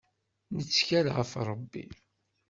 Nettkel ɣef Rebbi.